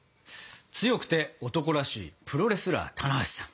強くて男らしいプロレスラー棚橋さん。